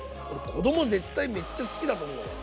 子供絶対めっちゃ好きだと思うわ。